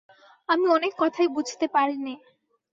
আমি অনেক কথাই বুঝতে পারি নে।